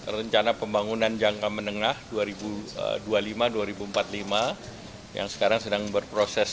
rencana pembangunan jangka menengah dua ribu dua puluh lima dua ribu empat puluh lima yang sekarang sedang berproses